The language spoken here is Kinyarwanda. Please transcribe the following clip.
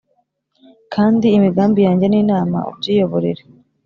Kandi imigambi yanjye n’inama ubyiyoborere